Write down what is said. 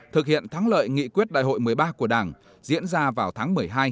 thực hiện thắng lợi nghị quyết đại hội một mươi ba của đảng diễn ra vào tháng một mươi hai